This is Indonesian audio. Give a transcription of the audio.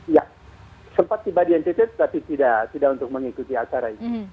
iya sempat tiba di ntt tapi tidak tidak untuk mengikuti acara itu